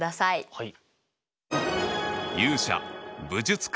はい。